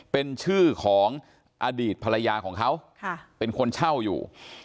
เป็นชื่อของอดีตภรรยาของเขาเป็นคนเช่าอยู่